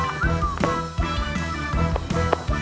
tidak ada teman teman di depan